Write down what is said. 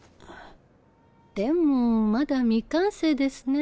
でもまだ未完成ですね。